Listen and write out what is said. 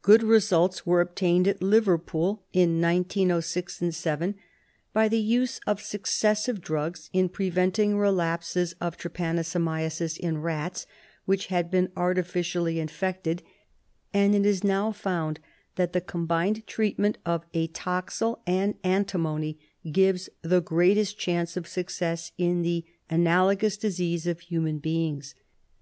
Good results were obtained at Liverpool in 1906 7 by the use of successive drugs in preventing" relapses of trypanosomiasis in rats w^hich had been artificially infected, and it is now found that the combined treatment of atoxyl and antimony gives the greatest chance of success in the analogous disease of human beings.